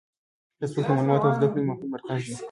فېسبوک د معلوماتو او زده کړې مهم مرکز دی